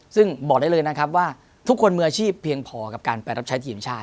ซึ่งบอกได้เลยนะครับว่าทุกคนมีอาชีพเพียงพอกับการไปรับใช้ทีมชาติ